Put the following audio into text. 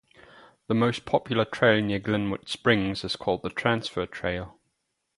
The most popular trail near Glenwood Springs is called the Transfer Trail.